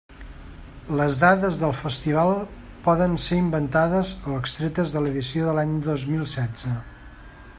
Les dades del festival poden ser inventades o extretes de l'edició de l'any dos mil setze.